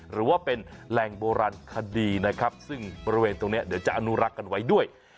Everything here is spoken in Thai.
หรือว่าเป็นแหล่งโบราณคดีนะครับซึ่งบริเวณตรงนี้เดี๋ยวจะอนุรักษ์กันไว้ด้วย